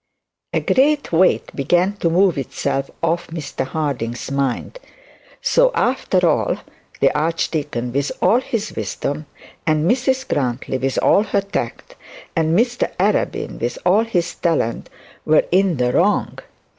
A great weight began to move itself off Mr Harding's mind. So, after all, the archdeacon with all his wisdom, and Mrs Grantly with all her tact, and Mr Arabin with all his talent were in the wrong.